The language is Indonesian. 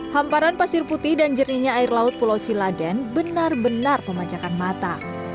hamparan pasir putih dan jerihnya air laut pulau siladen benar benar memanjakan mata